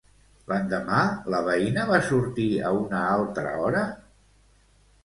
L'endemà la veïna va sortir a una altra hora?